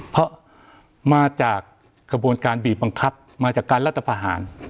เพราะมาจากกระบวนการบีบบังคับมาจากการรัฐประหาร